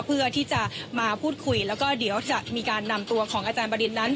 เพื่อที่จะมาพูดคุยแล้วก็เดี๋ยวจะมีการนำตัวของอาจารย์บรินนั้น